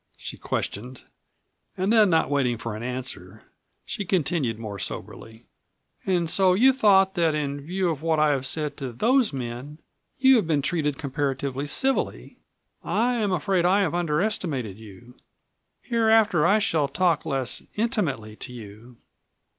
she questioned. And then not waiting for an answer she continued more soberly: "And so you thought that in view of what I have said to those men you had been treated comparatively civilly. I am afraid I have underestimated you. Hereafter I shall talk less intimately to you."